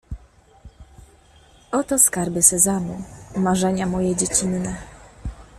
„Oto skarby Sezamu, marzenia moje dziecinne”.